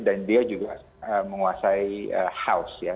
dan dia juga menguasai house